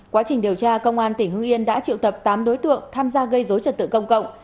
quá trình điều tra công an tỉnh hưng yên đã triệu tập tám đối tượng tham gia gây dối trật tự công cộng